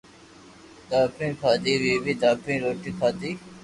دھاپين کادي مي بي دھاپين روٽي کادي